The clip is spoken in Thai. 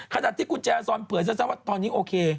ขณะที่กุญแจซอนเผยซะว่าตอนนี้โอเค